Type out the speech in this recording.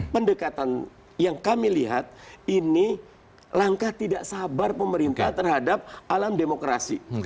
pendekatan yang kami lihat ini langkah tidak sabar pemerintah terhadap alam demokrasi